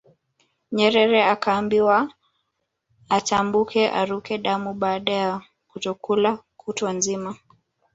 Nyerere akaambiwa atambuke aruke damu baada ya kutokula kutwa nzima